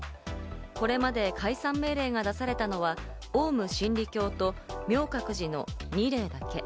これまで解散命令が出されたのは、オウム真理教と明覚寺の２例だけ。